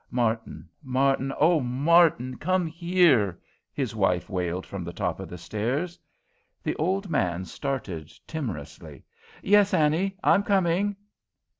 "Martin, Martin! Oh, Martin! come here," his wife wailed from the top of the stairs. The old man started timorously: "Yes, Annie, I'm coming."